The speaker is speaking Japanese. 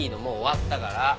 もう終わったから。